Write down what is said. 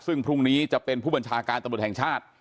ซึ่งพรุ่งนี้จะเป็นผู้บัญชาการตำรวจแห่งชาติ